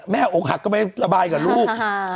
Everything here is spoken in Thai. แม่อกหักเข้าไประบายกับลูก